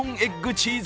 チーズ！